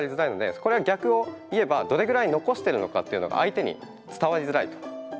これは逆を言えばどれぐらい残してるのかっていうのが相手に伝わりづらいと。